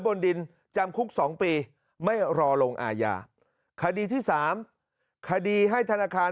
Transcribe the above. บนดินจำคุก๒ปีไม่รอลงอาญาคดีที่สามคดีให้ธนาคาร